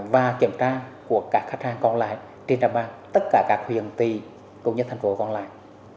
và kiểm tra của các khách hàng còn lại trên trạm băng tất cả các huyền tỳ cũng như thành phố còn lại